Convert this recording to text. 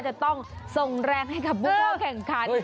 จะต้องส่งแรงให้กับบพกาแข่งขัน